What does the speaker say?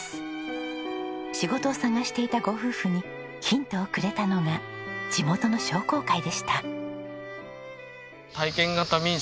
仕事を探していたご夫婦にヒントをくれたのが地元の商工会でした。